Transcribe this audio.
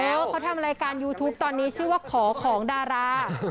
แล้วเขาทำรายการยูทูปตอนนี้ชื่อว่าขอของดารา